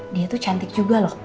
dia tuh cantik juga loh